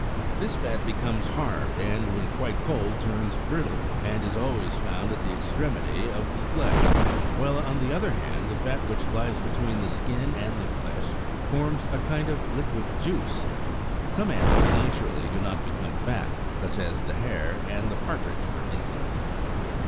This fat becomes hard, and when quite cold turns brittle, and is always found at the extremity of the flesh ; while, on the other hand, the fat which lies between the skin and the flesh forms a kind of liquid juice. Some animals naturally do not become fat, such as the hare and the par tridge, for instance.